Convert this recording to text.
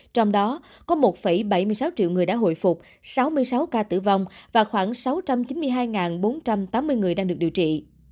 trong đó có một bảy mươi sáu triệu người đã hồi phục sáu mươi sáu ca tử vong và khoảng sáu trăm chín mươi hai bốn trăm tám mươi người đang được điều trị